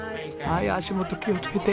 足元気をつけて。